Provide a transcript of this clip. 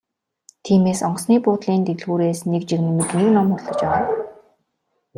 Тиймээс онгоцны буудлын дэлгүүрээс нэг жигнэмэг нэг ном худалдаж авав.